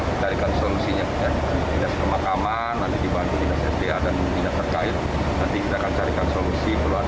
menjadikan solusinya ke makaman n sportual dan hidup terkait seperti sudah kan carikan solusi para